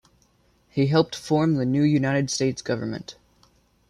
He helped form the new United States government.